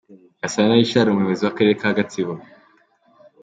Gasana Richard, umuyobozi w'akarere ka Gatsibo.